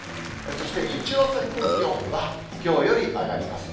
そして日中の最高気温は、きょうより上がります。